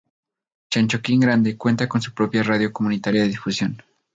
Chanchoquín Grande cuenta con su propia radio comunitaria de difusión.